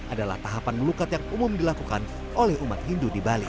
adalah tahapan melukat yang umum dilakukan oleh umat hindu di bali